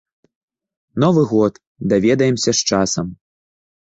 Новы год, даведаемся з часам.